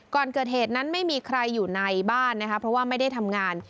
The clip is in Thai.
ก่อนเกิดเหตุนั้นไม่มีใครอยู่ในบ้านนะคะเพราะว่าไม่ได้ทำงาน